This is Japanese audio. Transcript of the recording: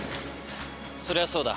そりゃそうだ。